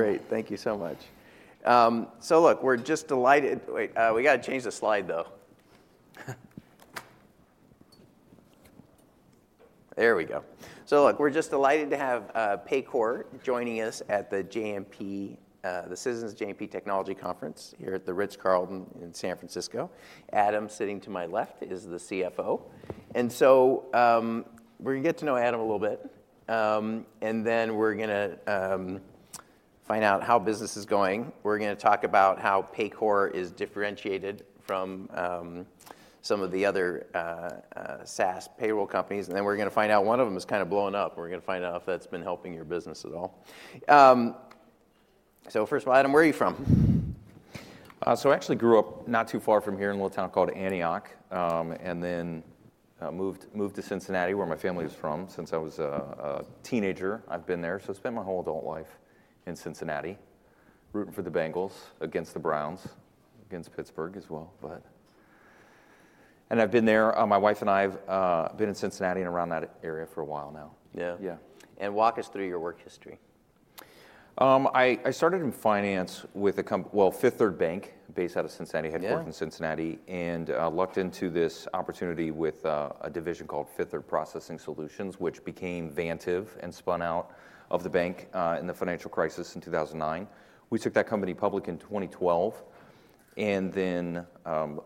Great. Thank you so much. So look, we're just delighted. Wait, we gotta change the slide though. There we go. So look, we're just delighted to have Paycor joining us at the JMP, the Citizens JMP Technology Conference here at the Ritz-Carlton in San Francisco. Adam sitting to my left is the CFO. And so we're gonna get to know Adam a little bit, and then we're gonna find out how business is going. We're gonna talk about how Paycor is differentiated from some of the other SaaS payroll companies, and then we're gonna find out one of them is kind of blowing up, and we're gonna find out if that's been helping your business at all. So first of all, Adam, where are you from? So I actually grew up not too far from here in a little town called Antioch and then moved to Cincinnati where my family was from since I was a teenager. I've been there. So I spent my whole adult life in Cincinnati rooting for the Bengals against the Browns, against Pittsburgh as well, but—and I've been there. My wife and I have been in Cincinnati and around that area for a while now. Yeah. Yeah. And walk us through your work history. I started in finance with a company, well, Fifth Third Bank, based out of Cincinnati, headquartered in Cincinnati, and lucked into this opportunity with a division called Fifth Third Processing Solutions, which became Vantiv and spun out of the bank in the financial crisis in 2009. We took that company public in 2012 and then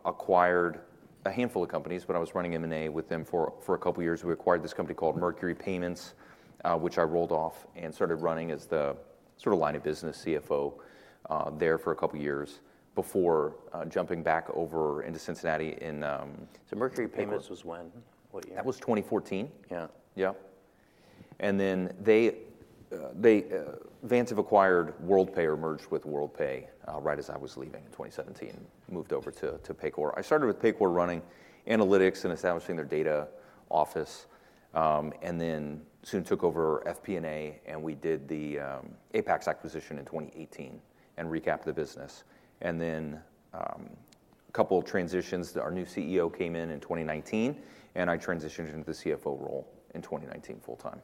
acquired a handful of companies, but I was running M&A with them for a couple of years. We acquired this company called Mercury Payments, which I rolled off and started running as the sort of line of business CFO there for a couple of years before jumping back over into Cincinnati in. So Mercury Payment Systems was when? What year? That was 2014. Yeah. Yeah. And then Vantiv acquired Worldpay or merged with Worldpay right as I was leaving in 2017, moved over to Paycor. I started with Paycor running analytics and establishing their data office and then soon took over FP&A, and we did the Apax acquisition in 2018 and recapped the business. And then a couple of transitions: our new CEO came in in 2019, and I transitioned into the CFO role in 2019 full-time.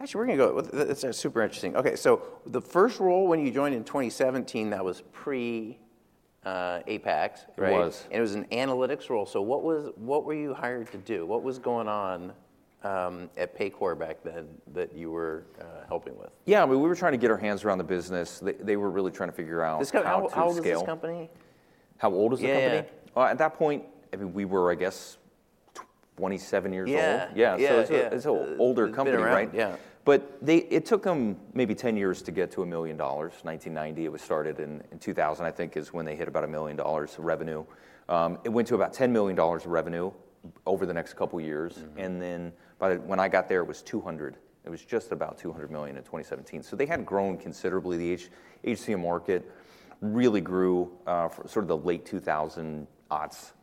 Actually, we're gonna go. It's super interesting. Okay. So the first role when you joined in 2017, that was pre-Apax, right? It was. It was an analytics role. What were you hired to do? What was going on at Paycor back then that you were helping with? Yeah. I mean, we were trying to get our hands around the business. They were really trying to figure out how to scale. This company? How old is the company? Yeah. At that point, I mean, we were, I guess, 27 years old. Yeah. So it's an older company, right? But it took them maybe 10 years to get to $1 million. 1990, it was started, and 2000, I think, is when they hit about $1 million of revenue. It went to about $10 million of revenue over the next couple of years, and then by when I got there, it was $200 million. It was just about $200 million in 2017. So they had grown considerably. The HCM market really grew sort of the late 2000s,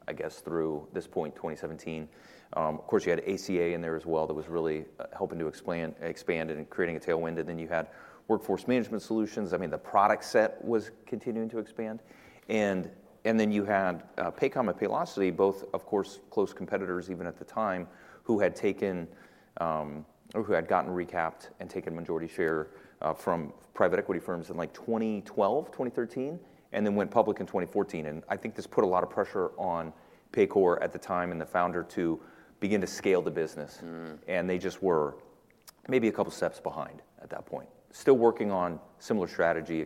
I guess, through this point, 2017. Of course, you had ACA in there as well that was really helping to expand and creating a tailwind. And then you had Workforce Management Solutions. I mean, the product set was continuing to expand. And then you had Paycom and Paylocity, both, of course, close competitors even at the time, who had taken or who had gotten recapped and taken majority share from private equity firms in like 2012, 2013, and then went public in 2014. I think this put a lot of pressure on Paycor at the time and the founder to begin to scale the business, and they just were maybe a couple of steps behind at that point, still working on similar strategy,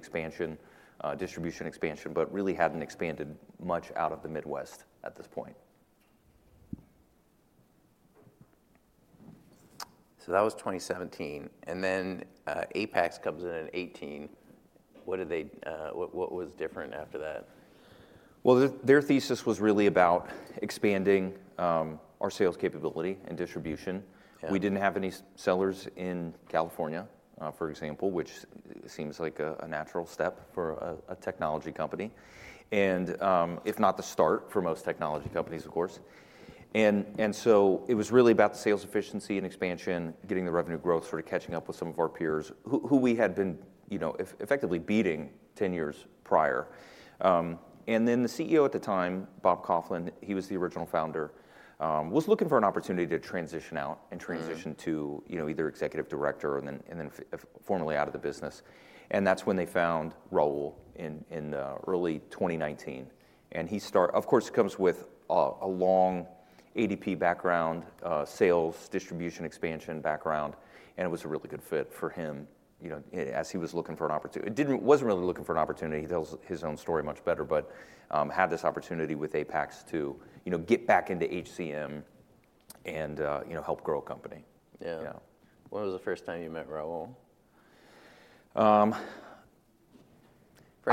distribution expansion, but really hadn't expanded much out of the Midwest at this point. That was 2017. Then Apax comes in in 2018. What was different after that? Well, their thesis was really about expanding our sales capability and distribution. We didn't have any sellers in California, for example, which seems like a natural step for a technology company and if not the start for most technology companies, of course. So it was really about the sales efficiency and expansion, getting the revenue growth, sort of catching up with some of our peers who we had been effectively beating 10 years prior. Then the CEO at the time, Bob Coughlin, he was the original founder, was looking for an opportunity to transition out and transition to either executive director and then formally out of the business. That's when they found Raul Villar in early 2019. Of course, he comes with a long ADP background, sales distribution expansion background, and it was a really good fit for him as he was looking for an opportunity. It wasn't really looking for an opportunity. He tells his own story much better, but had this opportunity with Apax to get back into HCM and help grow a company. Yeah. When was the first time you met Raul? I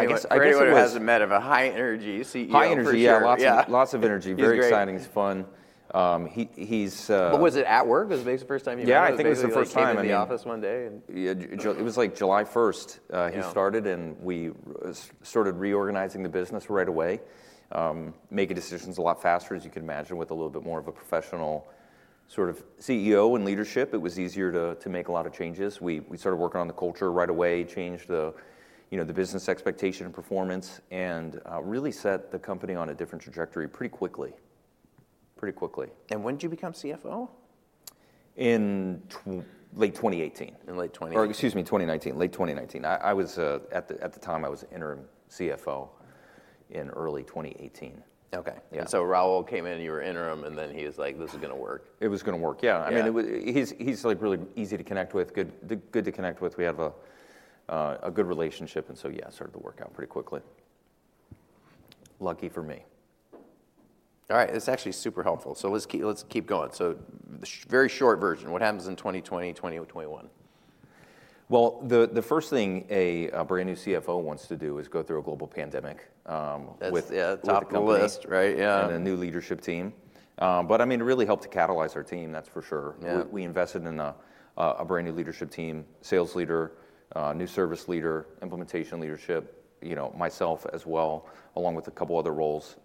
guess. I guess we hadn't met him. A high-energy CEO for a year. High energy. Yeah. Lots of energy. Very exciting. It's fun. He's. Was it at work? Was it maybe the first time you met him in the office one day? Yeah. I think it was the first time in the office one day. It was like July 1st. He started, and we started reorganizing the business right away, making decisions a lot faster, as you can imagine, with a little bit more of a professional sort of CEO and leadership. It was easier to make a lot of changes. We started working on the culture right away, changed the business expectation and performance, and really set the company on a different trajectory pretty quickly. Pretty quickly. When did you become CFO? In late 2018. In late 2018. Or, excuse me, 2019. Late 2019. At the time, I was interim CFO in early 2018. Okay. And so Raul came in, you were interim, and then he was like, "This is going to work. It was going to work. Yeah. I mean, he's really easy to connect with, good to connect with. We have a good relationship, and so yeah, it started to work out pretty quickly. Lucky for me. All right. This is actually super helpful. So let's keep going. So the very short version, what happens in 2020, 2021? Well, the first thing a brand new CFO wants to do is go through a global pandemic with the company. Yeah. Top of the list, right? Yeah. A new leadership team. I mean, it really helped to catalyze our team, that's for sure. We invested in a brand new leadership team, sales leader, new service leader, implementation leadership, myself as well, along with a couple of other roles,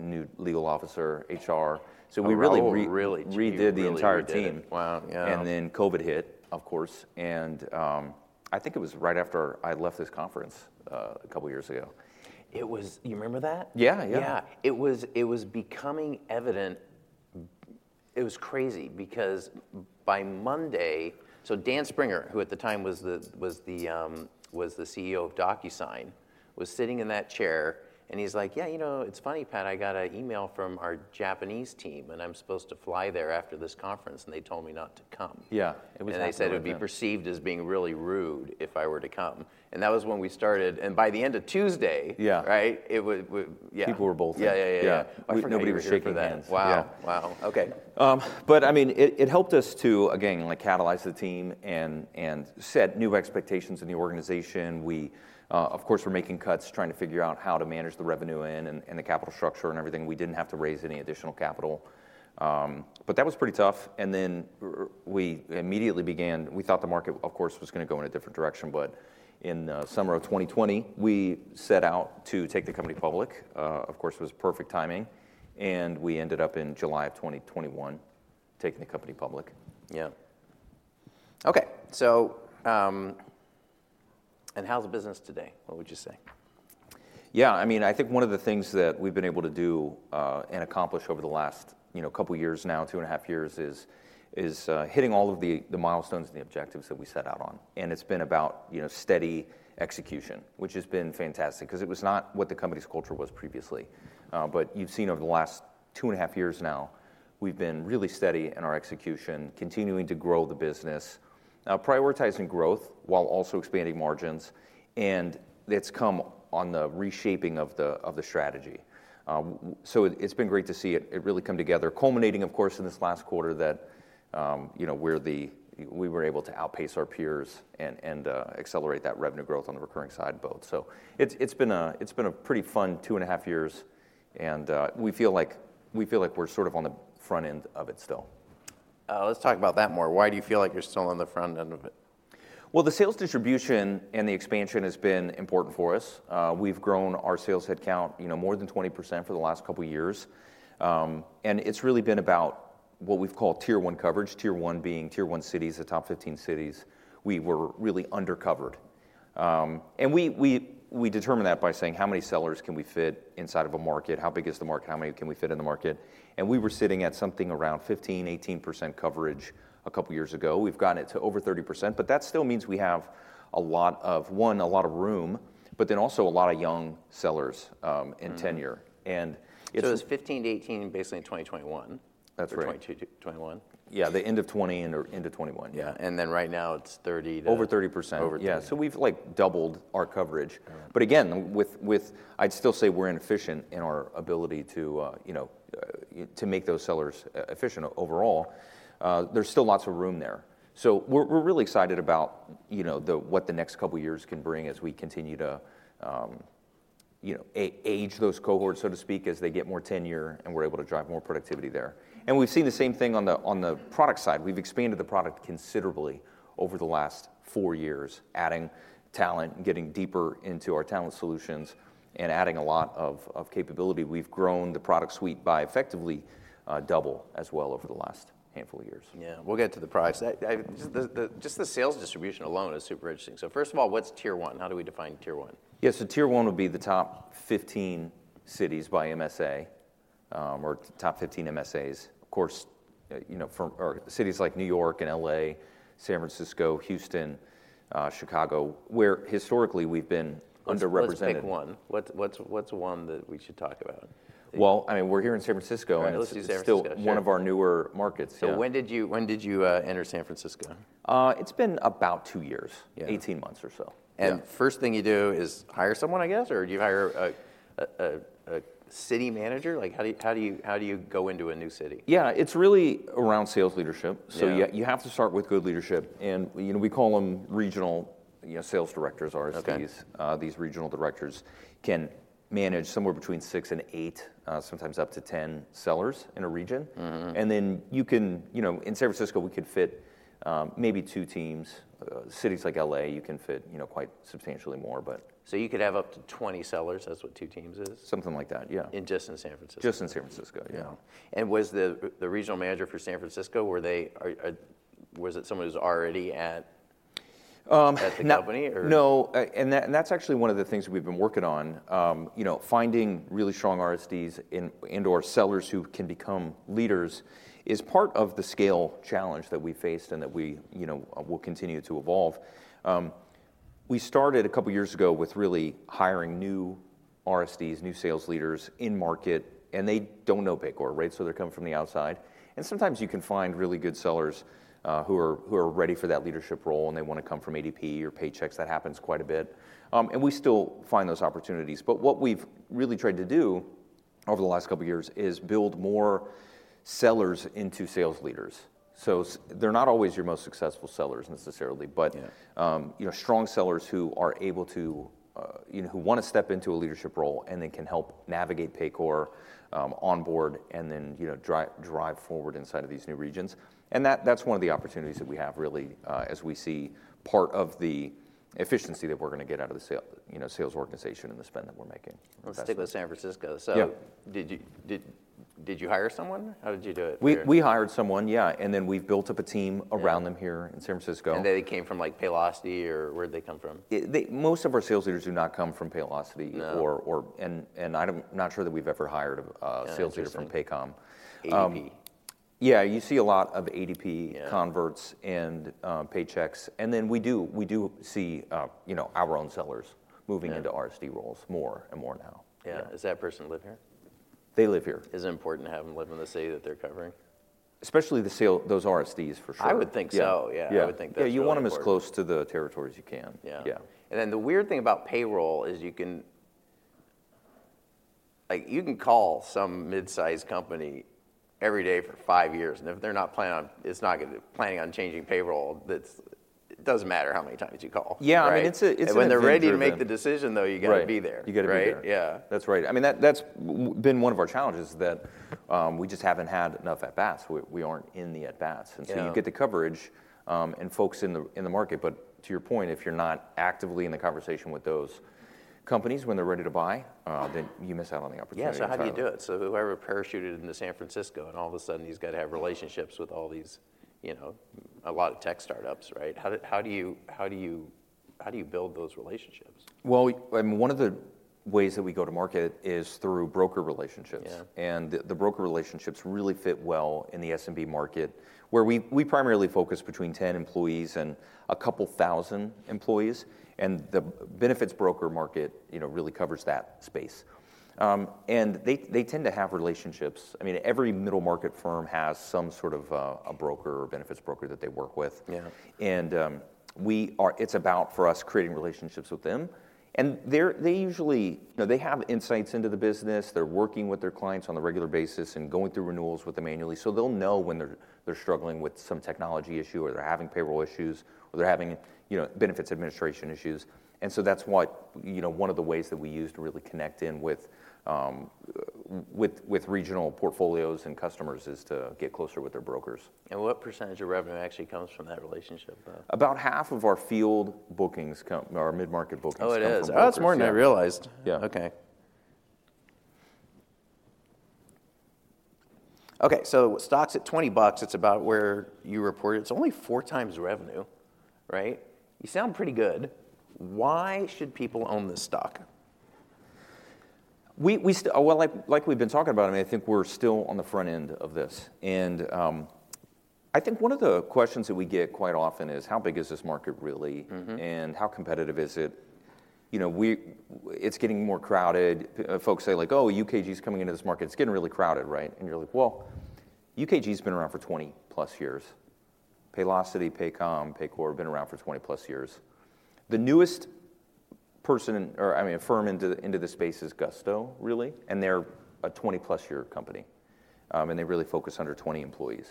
new legal officer, HR. We really redid the entire team. Oh, really? Wow. Yeah. And then COVID hit, of course, and I think it was right after I left this conference a couple of years ago. You remember that? Yeah. Yeah. Yeah. It was becoming evident. It was crazy because by Monday so Dan Springer, who at the time was the CEO of DocuSign, was sitting in that chair, and he's like, "Yeah, you know, it's funny, Pat. I got an email from our Japanese team, and I'm supposed to fly there after this conference, and they told me not to come. Yeah. It was. They said it would be perceived as being really rude if I were to come. That was when we started. By the end of Tuesday, right? Yeah. People were both. Yeah. Yeah. Yeah. Yeah. I forget who that was. Nobody was shaking hands. Wow. Wow. Okay. But I mean, it helped us to, again, catalyze the team and set new expectations in the organization. We, of course, were making cuts, trying to figure out how to manage the revenue in and the capital structure and everything. We didn't have to raise any additional capital, but that was pretty tough. And then we immediately began, we thought the market, of course, was going to go in a different direction, but in the summer of 2020, we set out to take the company public. Of course, it was perfect timing, and we ended up in July of 2021 taking the company public. Yeah. Okay. And how's the business today? What would you say? Yeah. I mean, I think one of the things that we've been able to do and accomplish over the last couple of years now, 2.5 years, is hitting all of the milestones and the objectives that we set out on. And it's been about steady execution, which has been fantastic because it was not what the company's culture was previously. But you've seen over the last 2.5 years now, we've been really steady in our execution, continuing to grow the business, prioritizing growth while also expanding margins, and that's come on the reshaping of the strategy. So it's been great to see it really come together, culminating, of course, in this last quarter that we were able to outpace our peers and accelerate that revenue growth on the recurring side both. It's been a pretty fun 2.5 years, and we feel like we're sort of on the front end of it still. Let's talk about that more. Why do you feel like you're still on the front end of it? Well, the sales distribution and the expansion has been important for us. We've grown our sales headcount more than 20% for the last couple of years, and it's really been about what we've called tier one coverage, tier one being tier one cities, the top 15 cities. We were really undercovered, and we determine that by saying how many sellers can we fit inside of a market, how big is the market, how many can we fit in the market. And we were sitting at something around 15%-18% coverage a couple of years ago. We've gotten it to over 30%, but that still means we have a lot of, one, a lot of room, but then also a lot of young sellers in tenure. And it's. It's 15-18 basically in 2021 or 2021? That's right. Yeah. The end of 2020 and into 2021. Yeah. Right now it's 30 to. Over 30%. Yeah. So we've doubled our coverage. But again, I'd still say we're inefficient in our ability to make those sellers efficient overall. There's still lots of room there. So we're really excited about what the next couple of years can bring as we continue to age those cohorts, so to speak, as they get more tenure and we're able to drive more productivity there. And we've seen the same thing on the product side. We've expanded the product considerably over the last 4 years, adding talent, getting deeper into our talent solutions, and adding a lot of capability. We've grown the product suite by effectively double as well over the last handful of years. Yeah. We'll get to the price. Just the sales distribution alone is super interesting. So first of all, what's tier one? How do we define tier one? Yeah. So tier one would be the top 15 cities by MSA or top 15 MSAs, of course, or cities like New York and LA, San Francisco, Houston, Chicago, where historically we've been underrepresented. Let's pick one. What's one that we should talk about? Well, I mean, we're here in San Francisco, and it's one of our newer markets. So when did you enter San Francisco? It's been about 2 years, 18 months or so. First thing you do is hire someone, I guess, or do you hire a city manager? How do you go into a new city? Yeah. It's really around sales leadership. You have to start with good leadership, and we call them regional sales directors. These regional directors can manage somewhere between 6 and 8, sometimes up to 10 sellers in a region. Then in San Francisco, we could fit maybe 2 teams. Cities like LA, you can fit quite substantially more, but. You could have up to 20 sellers. That's what 2 teams is? Something like that. Yeah. Just in San Francisco? Just in San Francisco. Yeah. Was the regional manager for San Francisco, was it someone who's already at the company, or? No. And that's actually one of the things we've been working on, finding really strong RSDs and/or sellers who can become leaders is part of the scale challenge that we faced and that we will continue to evolve. We started a couple of years ago with really hiring new RSDs, new sales leaders in market, and they don't know Paycor, right? So they're coming from the outside. And sometimes you can find really good sellers who are ready for that leadership role, and they want to come from ADP or Paychex. That happens quite a bit, and we still find those opportunities. But what we've really tried to do over the last couple of years is build more sellers into sales leaders. They're not always your most successful sellers necessarily, but strong sellers who are able to, who want to step into a leadership role and then can help navigate Paycor, onboard, and then drive forward inside of these new regions. That's one of the opportunities that we have really as we see part of the efficiency that we're going to get out of the sales organization and the spend that we're making. Let's stick with San Francisco. So did you hire someone? How did you do it? We hired someone. Yeah. And then we've built up a team around them here in San Francisco. They came from Paylocity, or where did they come from? Most of our sales leaders do not come from Paylocity, and I'm not sure that we've ever hired a sales leader from Paycom. ADP? Yeah. You see a lot of ADP converts and Paychex. And then we do see our own sellers moving into RSD roles more and more now. Yeah. Does that person live here? They live here. Is it important to have them live in the city that they're covering? Especially those RSDs, for sure. I would think so. Yeah. I would think that's important. Yeah. You want them as close to the territories you can. Yeah. The weird thing about payroll is you can call some midsize company every day for 5 years, and if they're not planning on changing payroll, it doesn't matter how many times you call. Yeah. I mean, it's an issue. When they're ready to make the decision, though, you got to be there. You got to be there. Right. Yeah. That's right. I mean, that's been one of our challenges, is that we just haven't had enough at-bats. We aren't in the at-bats. And so you get the coverage and folks in the market. But to your point, if you're not actively in the conversation with those companies when they're ready to buy, then you miss out on the opportunity. Yeah. So how do you do it? So whoever parachuted into San Francisco and all of a sudden he's got to have relationships with a lot of tech startups, right? How do you build those relationships? Well, I mean, one of the ways that we go to market is through broker relationships, and the broker relationships really fit well in the SMB market where we primarily focus between 10 employees and a couple thousand employees, and the benefits broker market really covers that space. They tend to have relationships. I mean, every middle market firm has some sort of a broker or benefits broker that they work with. It's about, for us, creating relationships with them. They have insights into the business. They're working with their clients on a regular basis and going through renewals with them annually, so they'll know when they're struggling with some technology issue or they're having payroll issues or they're having benefits administration issues. And so that's one of the ways that we use to really connect in with regional portfolios and customers is to get closer with their brokers. What percentage of revenue actually comes from that relationship? About half of our field bookings or mid-market bookings come from those. Oh, it is. Oh, that's more than I realized. Yeah. Okay. Okay. So stocks at $20, it's about where you reported. It's only 4x revenue, right? You sound pretty good. Why should people own this stock? Well, like we've been talking about, I mean, I think we're still on the front end of this. I think one of the questions that we get quite often is, "How big is this market really, and how competitive is it?" It's getting more crowded. Folks say like, "Oh, UKG is coming into this market. It's getting really crowded," right? And you're like, "Well, UKG has been around for 20-plus years. Paylocity, Paycom, Paycor have been around for 20-plus years." The newest person, or I mean, a firm into the space is Gusto, really, and they're a 20-plus-year company, and they really focus under 20 employees.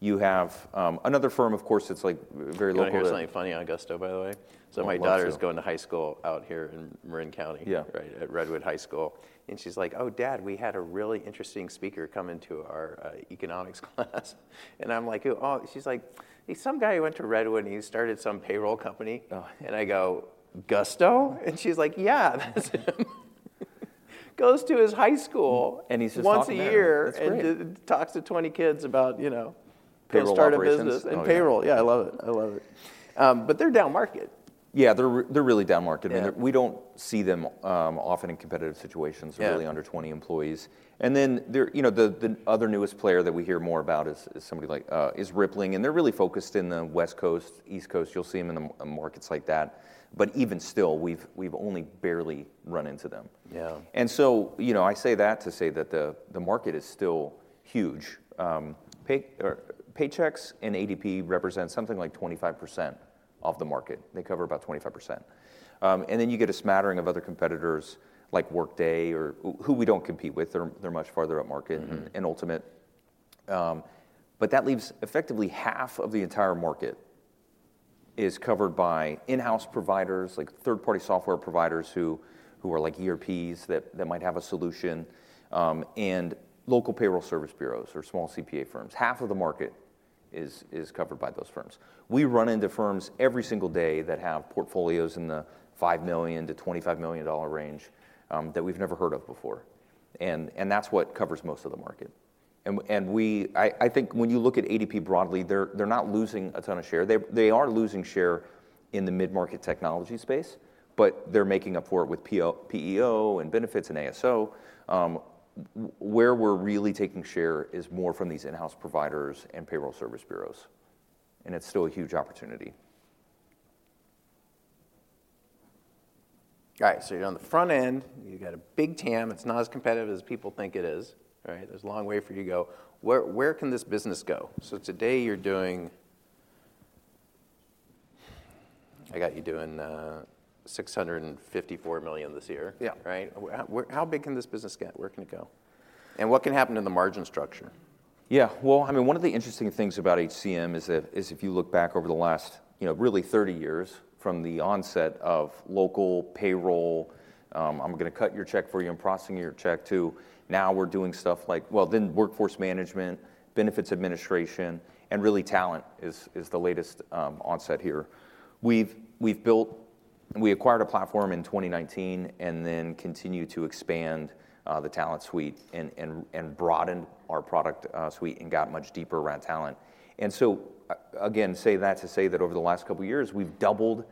You have another firm, of course, that's very local. I know there's something funny on Gusto, by the way. So my daughter is going to high school out here in Marin County, right, at Redwood High School, and she's like, "Oh, Dad, we had a really interesting speaker come into our economics class." And I'm like, "Oh." She's like, "Some guy who went to Redwood and he started some payroll company." And I go, "Gusto?" And she's like, "Yeah. That's him. Goes to his high school once a year and talks to 20 kids about going to start a business and payroll. Payroll. Yeah. I love it. I love it. But they're down market. Yeah. They're really down market. I mean, we don't see them often in competitive situations or really under 20 employees. And then the other newest player that we hear more about is Rippling, and they're really focused in the West Coast, East Coast. You'll see them in markets like that. But even still, we've only barely run into them. And so I say that to say that the market is still huge. Paychex and ADP represent something like 25% of the market. They cover about 25%. And then you get a smattering of other competitors like Workday, who we don't compete with. They're much farther up market in Ultimate. But that leaves effectively half of the entire market is covered by in-house providers, like third-party software providers who are like ERPs that might have a solution, and local payroll service bureaus or small CPA firms. Half of the market is covered by those firms. We run into firms every single day that have portfolios in the $5 million-$25 million range that we've never heard of before, and that's what covers most of the market. I think when you look at ADP broadly, they're not losing a ton of share. They are losing share in the mid-market technology space, but they're making up for it with PEO and benefits and ASO. Where we're really taking share is more from these in-house providers and payroll service bureaus, and it's still a huge opportunity. All right. So on the front end, you've got a big TAM. It's not as competitive as people think it is, right? There's a long way for you to go. Where can this business go? So today you're doing. I got you doing $654 million this year, right? How big can this business get? Where can it go? And what can happen to the margin structure? Yeah. Well, I mean, one of the interesting things about HCM is if you look back over the last really 30 years from the onset of local payroll, "I'm going to cut your check for you and processing your check too," now we're doing stuff like, well, then workforce management, benefits administration, and really talent is the latest onset here. We've acquired a platform in 2019 and then continued to expand the talent suite and broadened our product suite and got much deeper around talent. And so again, say that to say that over the last couple of years, we've doubled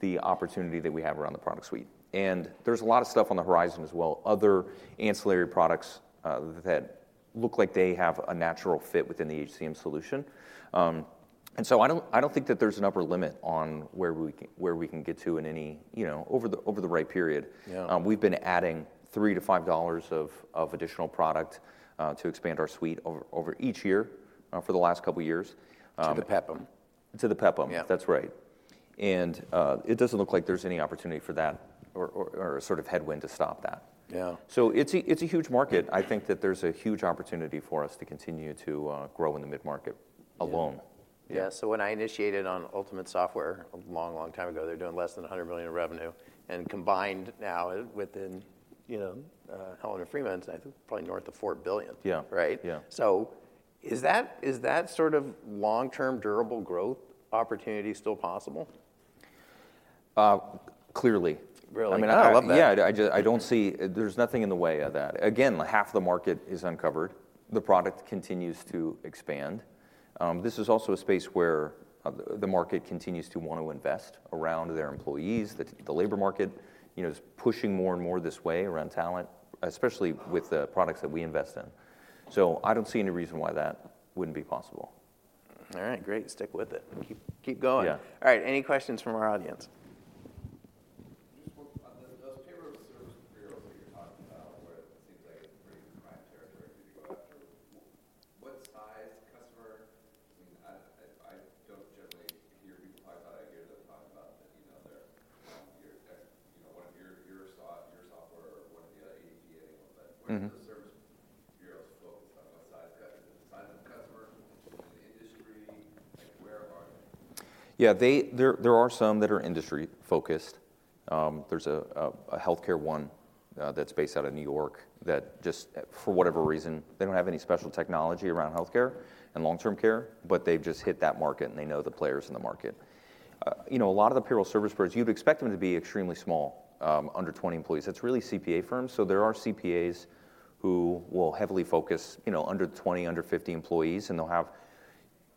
the opportunity that we have around the product suite. And there's a lot of stuff on the horizon as well, other ancillary products that look like they have a natural fit within the HCM solution. And so I don't think that there's an upper limit on where we can get to in any over the right period. We've been adding $3-$5 of additional product to expand our suite over each year for the last couple of years. To the PEPM? To the PEPM. That's right. It doesn't look like there's any opportunity for that, or a sort of headwind to stop that. It's a huge market. I think that there's a huge opportunity for us to continue to grow in the mid-market alone. Yeah. So when I initiated on Ultimate Software a long, long time ago, they're doing less than $100 million in revenue, and combined now within Hellman & Friedman, I think probably north of $4 billion, right? So is that sort of long-term, durable growth opportunity still possible? Clearly. Really? I mean, I love that. Yeah. I don't see there's nothing in the way of that. Again, half the market is uncovered. The product continues to expand. This is also a space where the market continues to want to invest around their employees. The labor market is pushing more and more this way around talent, especially with the products that we invest in. So I don't see any reason why that wouldn't be possible. All right. Great. Stick with it. Keep going. All right. Any questions from our audience?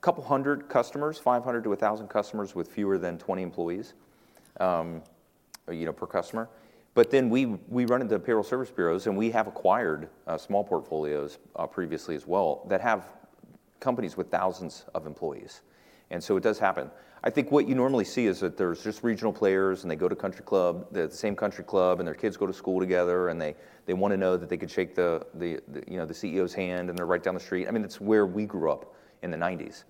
a couple hundred customers, 500-1,000 customers with fewer than 20 employees per customer. But then we run into payroll service bureaus, and we have acquired small portfolios previously as well that have companies with thousands of employees. And so it does happen. I think what you normally see is that there's just regional players, and they go to country club, the same country club, and their kids go to school together, and they want to know that they could shake the CEO's hand, and they're right down the street. I mean, it's where we grew up in the '90s.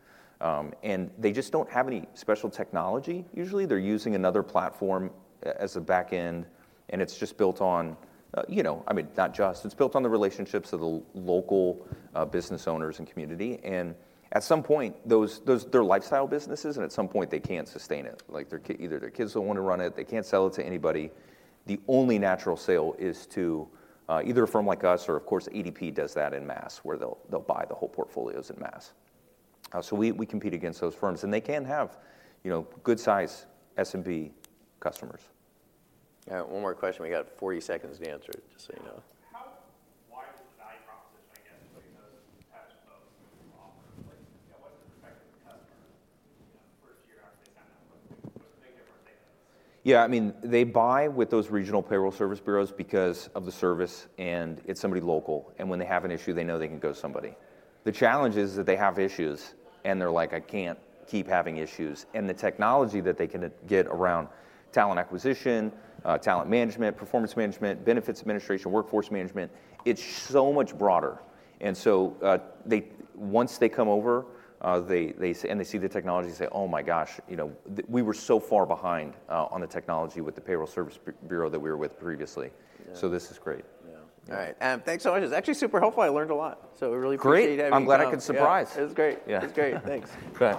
They just don't have any special technology. Usually, they're using another platform as a backend, and it's just built on—I mean, not just. It's built on the relationships of the local business owners and community. At some point, they're lifestyle businesses, and at some point, they can't sustain it. Either their kids don't want to run it. They can't sell it to anybody. The only natural sale is to either a firm like us or, of course, ADP does that en masse where they'll buy the whole portfolios en masse. We compete against those firms, and they can have good-size SMB customers. Yeah. One more question. We got 40 seconds to answer, just so you know. Why is the value proposition, I guess, between those types of folks that you offer? What's the perspective of the customer the first year after they sign up? What's the big difference, they know? Yeah. I mean, they buy with those regional payroll service bureaus because of the service, and it's somebody local. And when they have an issue, they know they can go somebody. The challenge is that they have issues, and they're like, "I can't keep having issues." And the technology that they can get around talent acquisition, talent management, performance management, benefits administration, workforce management, it's so much broader. And so once they come over and they see the technology, they say, "Oh my gosh, we were so far behind on the technology with the payroll service bureau that we were with previously." So this is great. Yeah. All right. Thanks so much. It's actually super helpful. I learned a lot. So I really appreciate having you here. Great. I'm glad I could surprise. It was great. It was great. Thanks. Great.